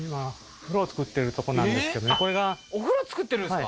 お風呂造ってるんですか？